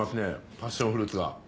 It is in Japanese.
パッションフルーツが。